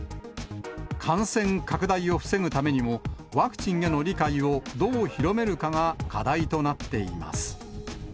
感染拡大を防ぐためにも、ワクチンへの理解をどう広めるかが課題となっています。